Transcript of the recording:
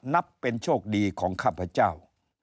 นับเป็นโชคดีของข้าพเจ้า